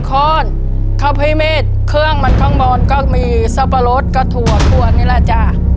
ขอบคุณครับพี่เมฆเครื่องมันข้างบนก็มีสับปะรดกระถั่วพวกนี้ล่ะจ้า